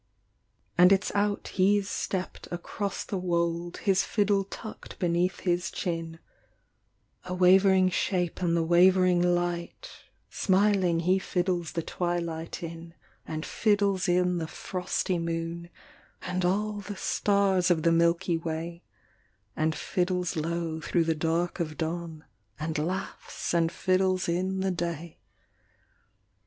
And it s out he s stepped across the wold His fiddle tucked beneath his chin A wavering shape in the wavering light, Smiling he fiddles the twilight in, And fiddles in the frosty moon, And all the stars of the Milky Way, And fiddles low through the dark of dawn, And laughs and fiddles in the day.